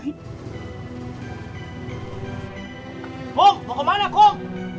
kung mau kemana kung